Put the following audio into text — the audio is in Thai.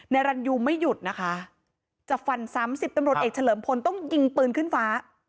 รันยูไม่หยุดนะคะจะฟันซ้ำสิบตำรวจเอกเฉลิมพลต้องยิงปืนขึ้นฟ้า